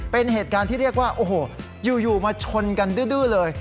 เป็นเหตุการณ์ที่เรียกว่าโอ้โหอยู่มาชนกันดื้อเลย